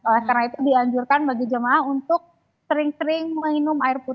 oleh karena itu dianjurkan bagi jemaah untuk sering sering minum air putih